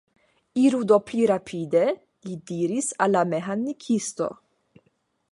Iru do pli rapide, li diris al la meĥanikisto.